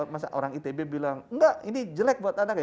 masa orang itb bilang enggak ini jelek buat anak ya